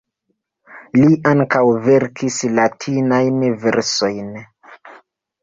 Li ankaŭ verkis latinajn versojn.